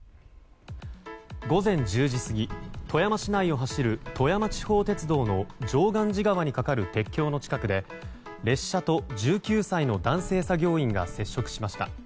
午前１０時過ぎ富山市内を走る富山地方鉄道の常願寺川に架かる鉄橋の近くで列車と１９歳の男性作業員が接触しました。